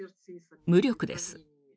無力です。